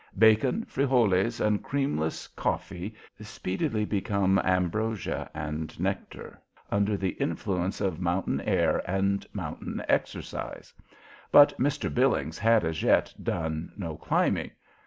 Bacon, frijoles, and creamless coffee speedily become ambrosia and nectar under the influence of mountain air and mountain exercise; but Mr. Billings had as yet done no climbing.